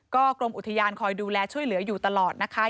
กรมอุทยานคอยดูแลช่วยเหลืออยู่ตลอดนะคะ